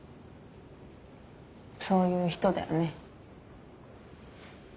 そういう人だよね。